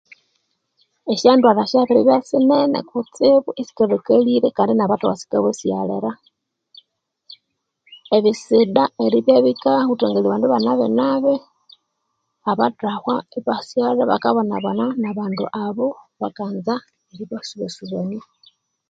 Esyandwalha syabiribya sinene kutsibu esikalhakalire kandi nabathahwa sikabasighalira. Ebisida eribya bikahuthangalya abandu ba nabinabi, abathahwa ibasighalha ibakabonabona nabandu abo bakanza eribasubasubania.